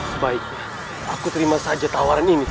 sebaiknya aku terima saja tawaran ini